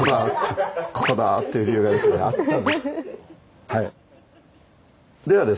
「ここだ！」っていう理由がですねあったんです。